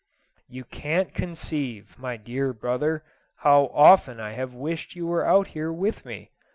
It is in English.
You can't conceive, my dear brother, how often I have wished you were out here with me.